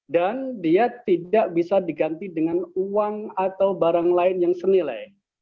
dan dia tidak bisa diganti dengan uang atau barang lain yang senilai